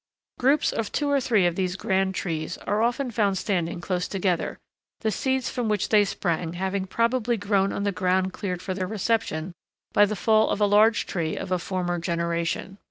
Groups of two or three of these grand trees are often found standing close together, the seeds from which they sprang having probably grown on ground cleared for their reception by the fall of a large tree of a former generation.